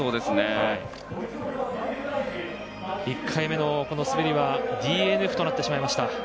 １回目の滑りはＤＦとなってしまいました。